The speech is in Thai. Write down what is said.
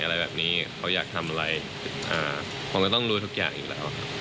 อะไรแบบนี้เขาอยากทำอะไรผมก็ต้องรู้ทุกอย่างอยู่แล้วครับ